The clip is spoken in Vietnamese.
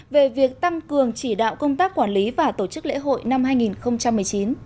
về việc tăng cường chỉ đạo công tác quản lý và tổ chức lễ hội năm hai nghìn một mươi chín